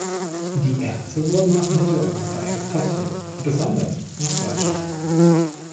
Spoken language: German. Die Erze wurden nach Mitteleuropa exportiert, besonders nach Deutschland.